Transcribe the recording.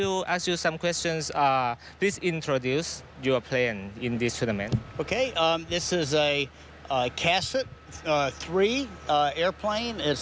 และผมจะถามเค้าครับ